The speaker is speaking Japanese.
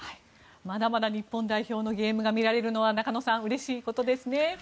まだまだ日本代表のゲームがみられるのは中野さん、うれしいことですね。